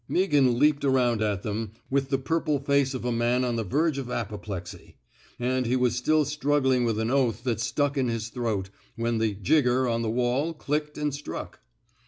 Meaghan leaped around at them with the purple face of a man on the verge of apoplexy; and he was still struggling with an oath that stuck in his throat, when the jigger '* on the wall clicked and struck.